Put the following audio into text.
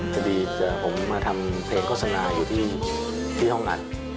พอดีเจอผมมาทำเพลงโฆษณาอยู่ที่ห้องอัด